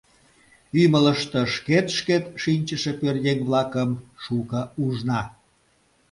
Ӱмылыштӧ шкет-шкет шинчыше пӧръеҥ-влакым шуко ужна.